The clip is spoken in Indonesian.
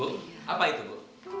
bu apa itu bu